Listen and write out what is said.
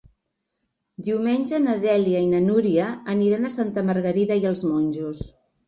Diumenge na Dèlia i na Núria aniran a Santa Margarida i els Monjos.